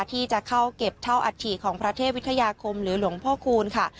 ที่จะเข้าเก็บเท่าอัฐิของพระเทพวิทยาคมหรือหลวงพ่อคูณค่ะ